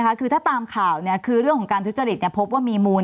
โคศกถามตามข่าวเรื่องของการถูกจริงพบว่ามีมูล